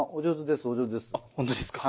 本当ですか。